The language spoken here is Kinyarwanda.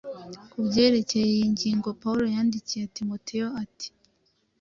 Ku byerekeye iyi ngingo Pawulo yandikiye Timoteyo ati: